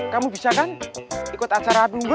kamu bisa kan ikut acara api unggul